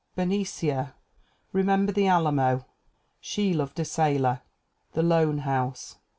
Bernicia. Remember the Alamo. She Loved a Sailor. The Lone House.